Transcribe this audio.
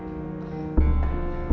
aku mau ke rumah